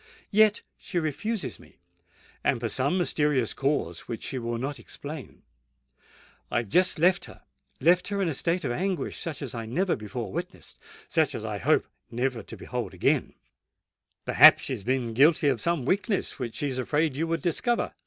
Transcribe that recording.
Yet she refuses me—and for some mysterious cause which she will not explain. I have just left her,—left her in a state of anguish such as I never before witnessed—such as I hope never to behold again!" "Perhaps she has been guilty of some weakness which she is afraid you would discover?"